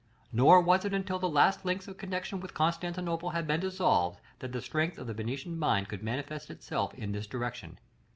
Nor was it until the last links of connexion with Constantinople had been dissolved, that the strength of the Venetian mind could manifest itself in this direction.